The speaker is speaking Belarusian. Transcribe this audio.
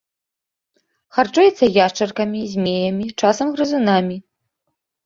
Харчуецца яшчаркамі, змеямі, часам грызунамі.